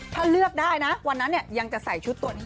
ถ้าเลือกได้นะวันนั้นยังจะใส่ชุดตัวนี้